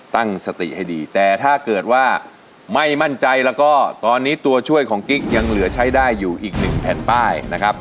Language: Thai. ตั้งสติให้ดีแต่ถ้าเกิดว่าไม่มั่นใจแล้วก็ตอนนี้ตัวช่วยของกิ๊กยังเหลือใช้ได้อยู่อีกหนึ่งแผ่นป้ายนะครับ